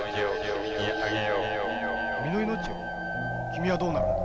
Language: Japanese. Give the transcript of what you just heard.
君はどうなるんだ。